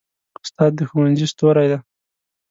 استاد د ښوونځي ستوری دی.